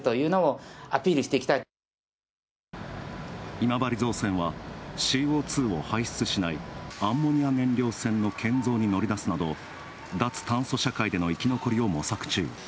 今治造船はＣＯ２を排出しないアンモニア燃料船の建造に乗り出すなど脱炭素社会での生き残りを模索中。